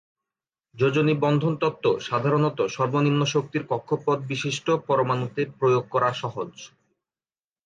যোজনী বন্ধন তত্ত্ব সাধারণত সর্বনিম্ন শক্তির কক্ষপথ বিশিষ্ট পরমাণুতে প্রয়োগ করা সহজ।